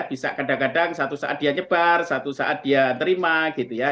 bisa kadang kadang satu saat dia nyebar satu saat dia terima gitu ya